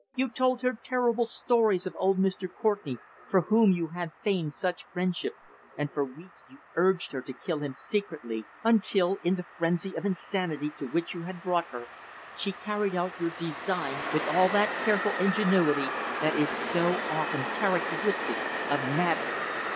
You told her terrible stories of old Mr. Courtenay, for whom you had feigned such friendship, and for weeks you urged her to kill him secretly until, in the frenzy of insanity to which you had brought her, she carried out your design with all that careful ingenuity that is so often characteristic of madness."